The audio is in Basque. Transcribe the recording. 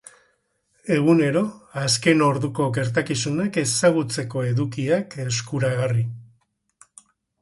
Egunero azken orduko gertakizunak ezagutzeko edukiak eskuragarri.